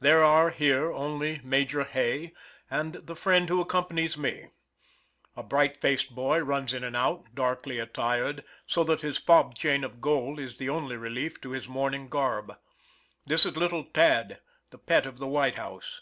There are here only Major Hay and the friend who accompanies me. A bright faced boy runs in and out, darkly attired, so that his fob chain of gold is the only relief to his mourning garb. This is little Tad., the pet of the White House.